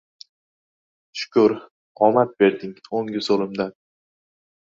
Shukur, omad berding o‘ngu-so‘limdan